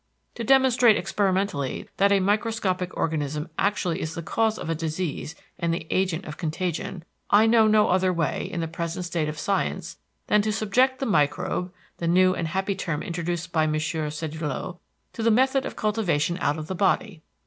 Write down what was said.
To demonstrate experimentally that a microscopic organism actually is the cause of a disease and the agent of contagion, I know no other way, in the present state of Science, than to subject the microbe (the new and happy term introduced by M. Sedillot) to the method of cultivation out of the body.